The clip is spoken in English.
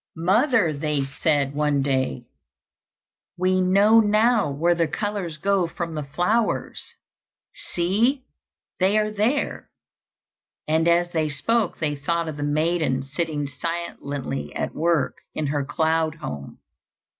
"Mother," they said one day, "we know now where the colours go from the flowers. See, they are there," and as they spoke they thought of the maiden sitting silently at work in her cloud home.